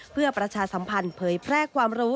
เพื่อประชาสัมพันธ์เผยแพร่ความรู้